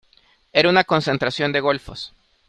Era una concentración de golfos.